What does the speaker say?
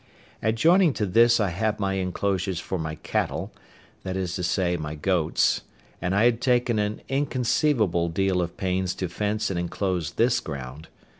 Adjoining to this I had my enclosures for my cattle, that is to say my goats, and I had taken an inconceivable deal of pains to fence and enclose this ground.